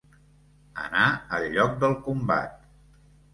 Anar al lloc del combat.